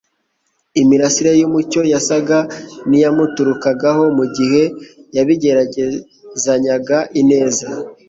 Imirasire y'umucyo yasaga n'iyamuutrukagaho mu gihe yabitegerezanyaga ineza.